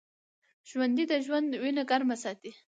ژوندي د ژوند وینه ګرمه ساتي